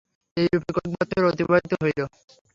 এইরূপে কয়েক বৎসর অতিবাহিত হইল।